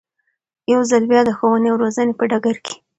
يو ځل بيا د ښوونې او روزنې په ډګر کې